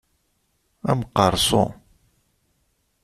Amqeṛṣu!